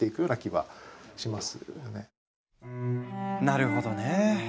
なるほどね。